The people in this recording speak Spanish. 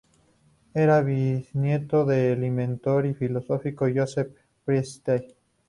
Era biznieto del inventor y filósofo Joseph Priestley.